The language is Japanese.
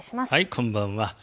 こんばんは。